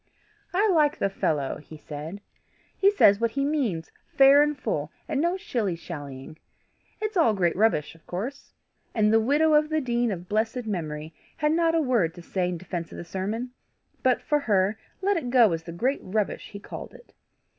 "I like the fellow," he said. "He says what he means, fair and full, and no shilly shallying. It's all great rubbish, of course!" And the widow of the dean of blessed memory had not a word to say in defence of the sermon, but, for her, let it go as the great rubbish he called it.